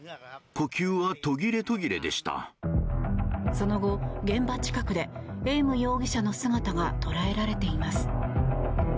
その後、現場近くでエーム容疑者の姿が捉えられています。